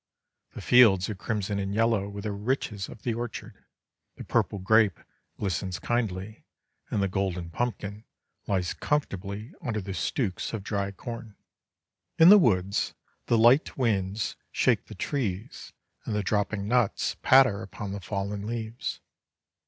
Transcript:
The fields are crimson and yellow with the riches of the orchard; the purple grape glistens kindly, and the golden pumpkin lies comfortably under the stooks of dry corn. In the woods the light winds shake the trees and the dropping nuts patter upon the fallen leaves.